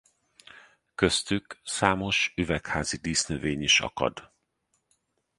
Köztük számos üvegházi dísznövény is akad.